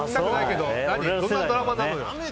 どんなドラマなのよ？